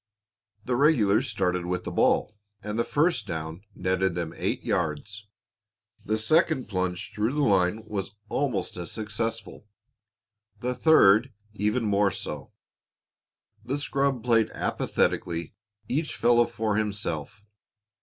The regulars started with the ball, and the first down netted them eight yards. The second plunge through the line was almost as successful; the third even more so. The scrub played apathetically, each fellow for himself.